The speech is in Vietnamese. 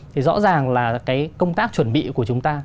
thì rõ ràng là cái công tác chuẩn bị của chúng ta